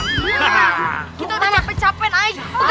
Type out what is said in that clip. kita udah capek capek aik